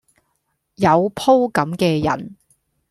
有鋪咁既癮